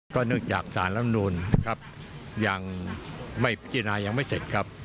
ก็เนื่องจากสารรัฐธรมนูลครับยืนายังไม่เสร็จครับ